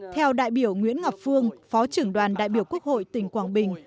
theo đại biểu nguyễn ngọc phương phó trưởng đoàn đại biểu quốc hội tỉnh quảng bình